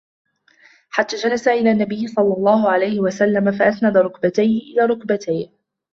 حتَّى جَلَسَ إلى النَّبيِّ صَلَّى اللهُ عَلَيْهِ وَسَلَّمَ فَأَسْنَدَ رُكْبَتَيْهِ إِلى رُكْبَتَيْهِ